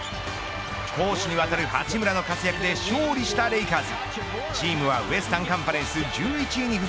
攻守にわたる八村の活躍で勝利したレイカーズ。